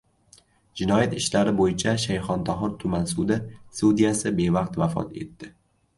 Jinoyat ishlari bo‘yicha Shayxontohur tuman sudi sudyasi bevaqt vafot etdi